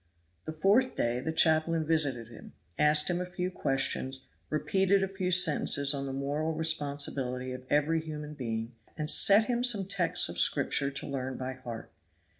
The fourth day the chaplain visited him, asked him a few questions, repeated a few sentences on the moral responsibility of every human being, and set him some texts of Scripture to learn by heart.